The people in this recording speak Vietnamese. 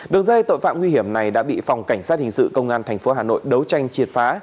đường dây tội phạm nguy hiểm này đã bị phòng cảnh sát hình sự công an tp hà nội đấu tranh triệt phá